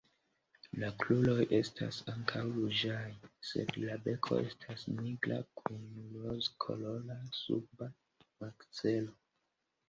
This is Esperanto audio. La kruroj estas ankaŭ ruĝaj sed la beko estas nigra kun rozkolora suba makzelo.